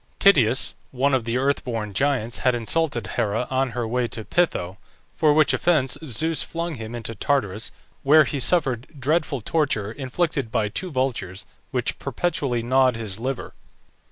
TITYUS, one of the earth born giants, had insulted Hera on her way to Peitho, for which offence Zeus flung him into Tartarus, where he suffered dreadful torture, inflicted by two vultures, which perpetually gnawed his liver.